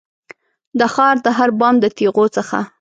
د ښار د هر بام د تېغو څخه